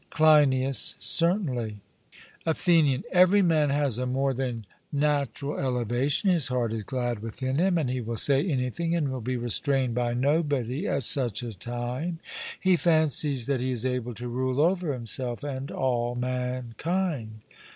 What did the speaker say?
CLEINIAS: Certainly. ATHENIAN: Every man has a more than natural elevation; his heart is glad within him, and he will say anything and will be restrained by nobody at such a time; he fancies that he is able to rule over himself and all mankind.